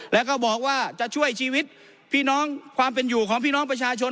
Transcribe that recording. แล้วก็บอกว่าจะช่วยชีวิตพี่น้องความเป็นอยู่ของพี่น้องประชาชน